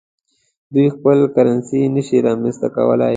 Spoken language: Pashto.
دوی خپل کرنسي نشي رامنځته کولای.